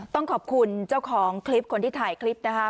ต้องขอบคุณเจ้าของคลิปคนที่ถ่ายคลิปนะคะ